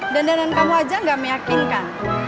dan danan kamu aja gak meyakinkan